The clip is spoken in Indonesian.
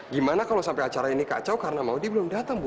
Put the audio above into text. gimana kalau sampai acara ini kacau karena mau dia belum datang bu